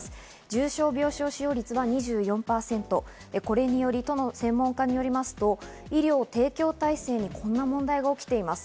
重症病床使用率が２４％、これにより都の専門家によりますと、医療提供体制にこんな問題が起きています。